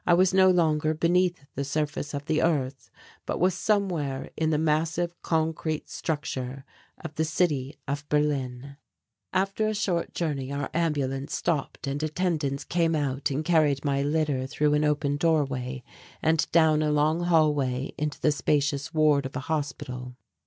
I was no longer beneath the surface of the earth but was somewhere in the massive concrete structure of the City of Berlin. After a short journey our ambulance stopped and attendants came out and carried my litter through an open doorway and down a long hall into the spacious ward of a hospital.